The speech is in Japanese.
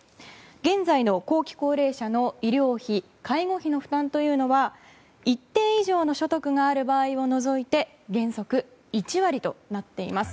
現在の後期高齢者の医療費介護費の負担は一定以上の所得がある場合を除いて原則１割となっています。